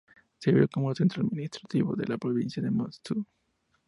Sirvió como centro administrativo de la Provincia de Mutsu.